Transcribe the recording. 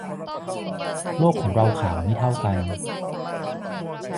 โลกของเราขาวไม่เท่ากัน